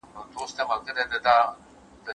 که ډېر کوښښ ونه کړو نو موخې ته به ونه رسېږو.